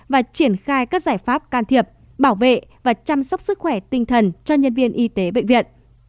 và triển khai các giải pháp can thiệp bảo vệ và chăm sóc sức khỏe tinh thần cho nhân viên y tế bệnh viện